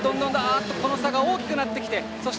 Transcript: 差が大きくなってきた。